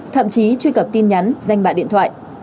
thậm chí truy cập tin nhắn danh bạ điện thoại